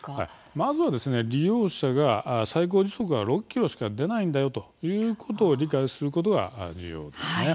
まず利用者が最高時速６キロしか出ないということを理解するのが重要です。